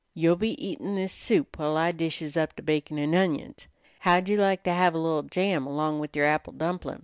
You be eatin' this soup while I dishes up the bacon an' onions. How'd you like to have a little jam along with yer apple dumplin'?"